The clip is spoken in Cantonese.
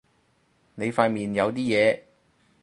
你塊面有啲嘢